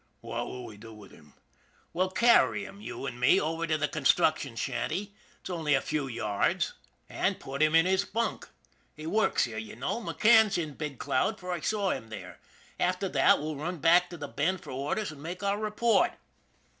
What will we do with him? "" We'll carry him, you and me, over to the construc tion shanty, it's only a few yards, and put him in his 120 ON THE IRON AT BIG CLOUD bunk. He works here, you know. McCann's in Big Cloud, for I saw him there. After that we'll run back to the Bend for orders and make our report."